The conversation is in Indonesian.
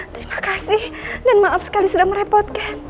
terima kasih dan maaf sekali sudah merepotkan